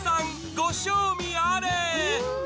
ご賞味あれ！